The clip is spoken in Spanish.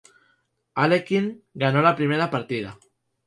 Alekhine ganó la primera partida.